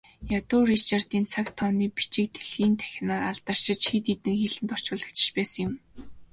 Ядуу Ричардын цаг тооны бичиг дэлхий дахинаа алдаршиж, хэд хэдэн хэлэнд орчуулагдаж байсан юм.